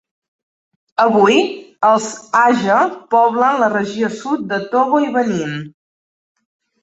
Avui, els aja poblen la regió sud de Togo i Benín.